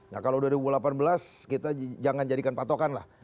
nah kalau dua ribu delapan belas kita jangan jadikan patokan lah